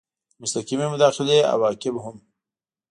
د مستقیې مداخلې عواقب هم